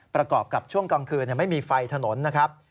ประกอบกับช่วงกลางคืนไม่มีไฟถนนนะครับ